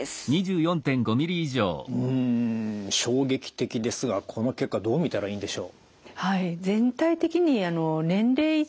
うん衝撃的ですがこの結果どう見たらいいんでしょう？